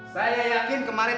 saya yakin kemarin